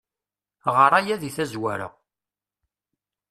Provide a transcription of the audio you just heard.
Ɣer aya di tazwara.